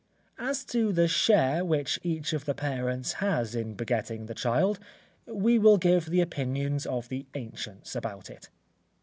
As to the share which each of the parents has in begetting the child, we will give the opinions of the ancients about it.